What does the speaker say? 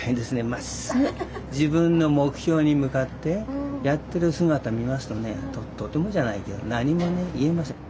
まっすぐ自分の目標に向かってやってる姿見ますとねとてもじゃないけど何もね言えません。